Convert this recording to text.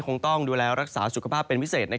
คงต้องดูแลรักษาสุขภาพเป็นพิเศษ